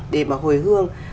để mà hồi hương